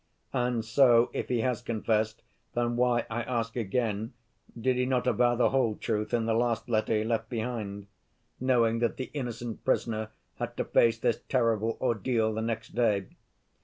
And so, if he has confessed, then why, I ask again, did he not avow the whole truth in the last letter he left behind, knowing that the innocent prisoner had to face this terrible ordeal the next day?